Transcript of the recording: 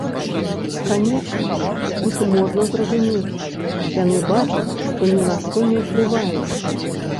Канечне, іх можна зразумець, яны бачаць, што ні на што не ўплываюць.